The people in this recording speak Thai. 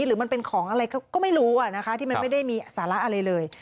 หรือมันเป็นของอะไรก็ไม่รู้นะคะที่มันไม่ได้มีสาระอะไรเลย